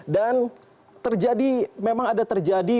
dan terjadi memang ada terjadi